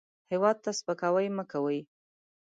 هېواد ته سپکاوی مه کوئ